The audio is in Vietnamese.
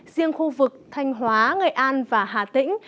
riêng khu vực thanh hóa nghệ an và hà tĩnh